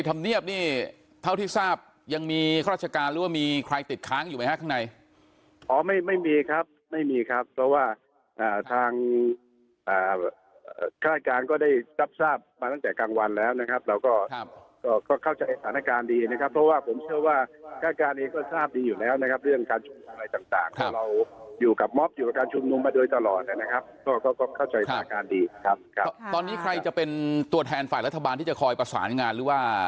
เท่านี้เท่าที่ทราบยังมีข้อรัชการหรือว่ามีใครติดค้างอยู่ไหมฮะข้างในอ๋อไม่มีครับไม่มีครับเพราะว่าทางฆ่าการก็ได้ทราบมาตั้งแต่กลางวันแล้วนะครับเราก็เข้าใจสถานการณ์ดีนะครับเพราะว่าผมเชื่อว่าฆ่าการนี้ก็ทราบดีอยู่แล้วนะครับเรื่องการชุมนุมอะไรต่างเราอยู่กับมอบอยู่กับการชุมนุมมาโดยตลอด